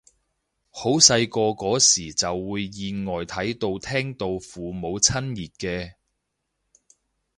好細個嗰時就會意外睇到聽到父母親熱嘅